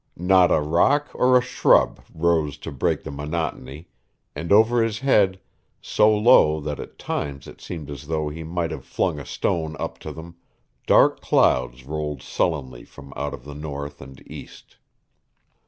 Not a rock or a shrub rose to break the monotony, and over his head so low that at times it seemed as though he might have flung a stone up to them dark clouds rolled sullenly from out of the north and east.